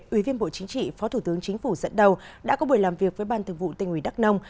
ủy viên bộ chính trị phó thủ tướng chính phủ dẫn đầu đã có buổi làm việc với ban thực vụ tỉnh uỷ đắk nông